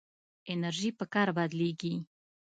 انرژي په کار بدلېږي.